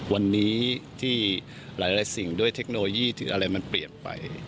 วันนี้ที่หลายสิ่งด้วยเทคโนโลยีที่อะไรมันเปลี่ยนไป